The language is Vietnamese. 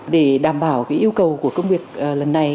để đảm bảo yêu cầu của công việc lần này